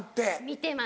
見てます